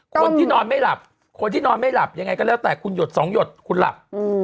คนที่นอนไม่หลับคนที่นอนไม่หลับยังไงก็แล้วแต่คุณหยดสองหยดคุณหลับ